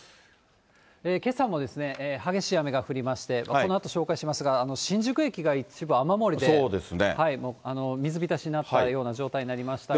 けさも激しい雨が降りまして、このあと紹介しますが、新宿駅が一部雨漏りで、水浸しになったような状態になりましたが。